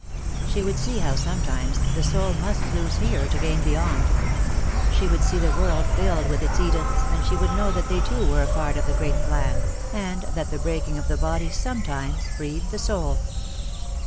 She would see how sometimes the soul must lose here to gain beyond. She would see the world filled with its Ediths, and she would know that they too were a part of the great plan, and that the breaking of the body sometimes freed the soul.